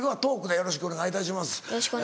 よろしくお願いします。